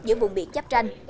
giữa vùng biển giáp ranh